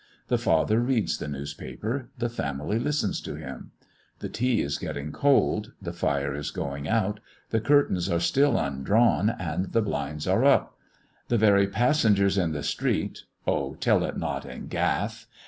The father reads the newspaper; the family listens to him. The tea is getting cold, the fire is going out, the curtains are still undrawn and the blinds are up; the very passengers in the street "O tell it not in Gath!"